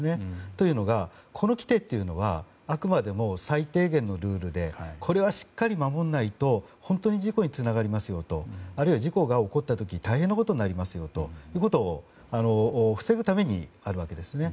というのがこの規程っていうのはあくまでも最低限のルールでこれはしっかり守らないと本当に事故につながりますよとあるいは事故が起こった時大変なことになりますよということを防ぐためにあるわけですね。